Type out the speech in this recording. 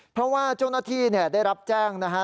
เพราะว่าเจ้าหน้าที่ได้รับแจ้งนะฮะ